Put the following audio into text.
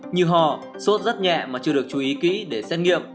như hò sốt rất nhẹ mà chưa được chú ý kỹ để xét nghiệm